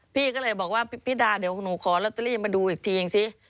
พี่ก็เลยบอกว่าพี่ดาเดี๋ยวหนูขอลอตเตอรี่มาดูอีกทีเองสิ